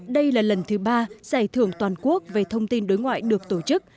đây là lần thứ ba giải thưởng toàn quốc về thông tin đối ngoại được tổ chức